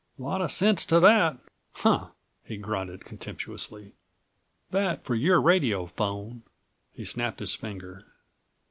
Lot of sense to that! Huh!" he grunted contemptuously. "That for your radiophone!" He snapped his finger.